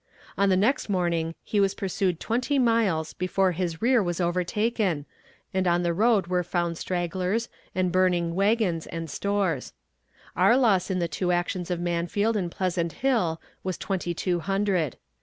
On the next morning he was pursued twenty miles before his rear was overtaken, and on the road were found stragglers, and burning wagons and stores. Our loss in the two actions of Mansfield and Pleasant Hill was twenty two hundred.